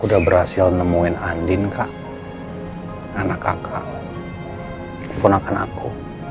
udah berhasil nemuin andin kak anak kakak ponakan aku